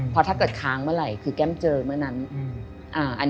เพราะถ้าเกิดค้างเมื่อไหร่คือแก้มเจอเมื่อนั้น